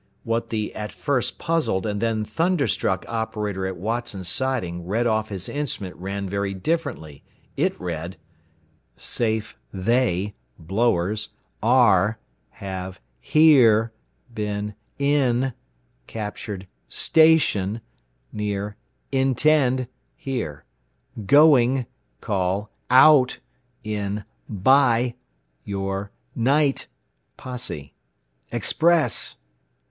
What the at first puzzled and then thunderstruck operator at Watson Siding read off his instrument ran very differently. It read: "Safe THEY blowers ARE have HERE been IN captured STATION near INTEND here. GOING call OUT in BY your NIGHT posse. EXPRESS.